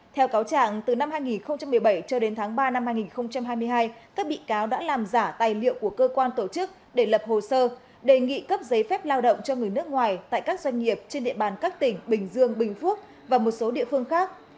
theo cáo trạng từ năm hai nghìn một mươi bảy cho đến tháng ba năm hai nghìn hai mươi hai các bị cáo đã làm giả tài liệu của cơ quan tổ chức để lập hồ sơ đề nghị cấp giấy phép lao động cho người nước ngoài tại các doanh nghiệp trên địa bàn các tỉnh bình dương bình phước và một số địa phương khác